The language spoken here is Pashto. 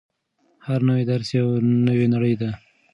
هر نوی درس یوه نوې نړۍ ده.